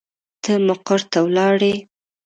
ته مقر ته ولاړې.